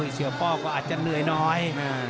เชื้อป้อก็อาจจะเหนื่อยน้อย